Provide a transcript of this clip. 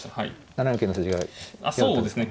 ７四桂の筋が嫌だったですね。